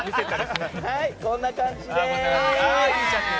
はい、こんな感じです。